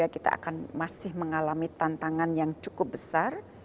dua ribu dua puluh tiga kita akan masih mengalami tantangan yang cukup besar